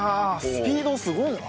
スピードすごいな。